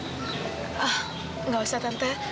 tidak usah tante